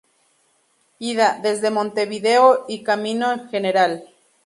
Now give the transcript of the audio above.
Ida: Desde Montevideo y Camino Gral.